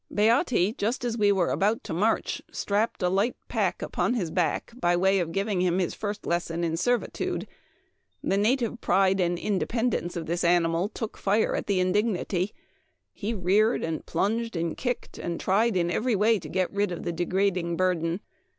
...'• Beatte, just as we were about to march, strapped a light pack upon his back, by way of giving him the first lesson in servitude. The native pride and independence of the animal took fire at this indignity. He reared, and plunged, and kicked, and tried in every way to get rid of the degrading burden.